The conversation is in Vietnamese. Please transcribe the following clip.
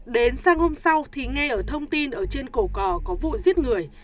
đến sáng hôm sau thì nghe ở thông tin ở trên cổ cò có vụ giết người